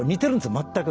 全く。